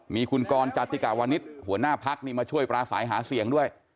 มีคุณกรจัตติกาวณิธหัวหน้าภักดิ์มาช่วยปลาสายหาเสียงด้วย